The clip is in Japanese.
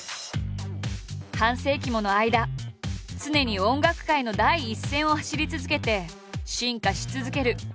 半世紀もの間常に音楽界の第一線を走り続けて進化し続ける。